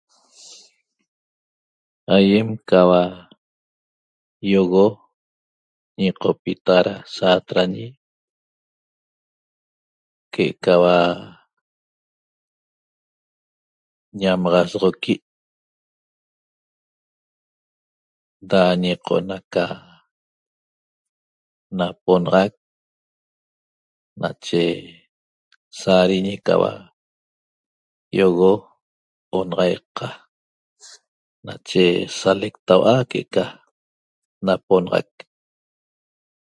Aiem cahua aioxo ñoqpita da sateñe que eca ñamaxaso da ñacona ca naponaxaq nache sareñe ca yoxo onaxaica nache saleqtahua eca naponaxaq